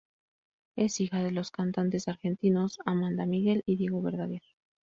Es hija de los cantantes argentinos Amanda Miguel y Diego Verdaguer.